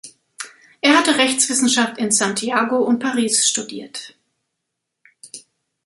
Er hatte Rechtswissenschaft in Santiago und Paris studiert.